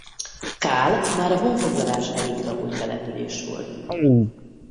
Kál már a honfoglalás előtt lakott település volt.